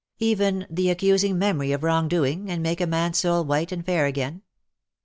^'^' Even the accusing memory of wrong doing, and make a man^s soul white and fair again ?